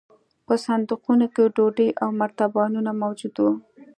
په صندوقونو کې ډوډۍ او مرتبانونه موجود وو